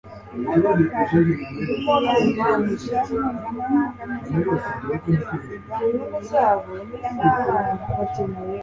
Imodoka Ziyandikisha Mpuzamahanga Mpuzamahanga C Ziva Mubihe Byamahanga?